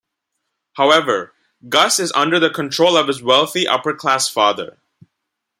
However, Gus is under the control of his wealthy, upper-class father.